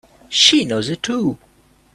She knows it too!